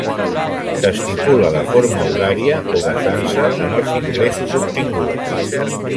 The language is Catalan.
S'estipula de forma horària o basant-se en els ingressos obtinguts.